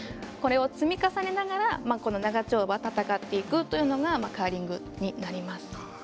これを積み重ねながらこの長丁場戦っていくというのがカーリングになります。